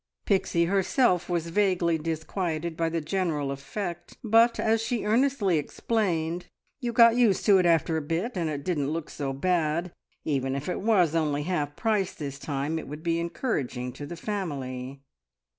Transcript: Pixie herself was vaguely disquieted by the general effect, but, as she earnestly explained, you "got used to it after a bit, and it didn't look so bad. And even if it was only half price this time, it would be encouraging to the family!"